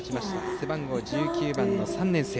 背番号１９番、３年生。